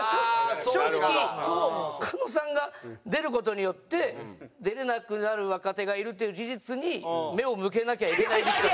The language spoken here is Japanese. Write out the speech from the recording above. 正直狩野さんが出る事によって出れなくなる若手がいるっていう事実に目を向けなきゃいけない時期が。